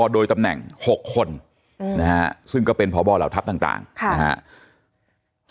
โดยตำแหน่ง๖คนนะฮะซึ่งก็เป็นพบเหล่าทัพต่างนะครับ